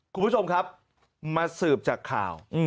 คุณผู้ชมครับมาสืบจากข่าว